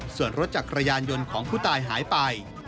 ส่วนรถจักรยานยนต์ของผู้ตายหายไป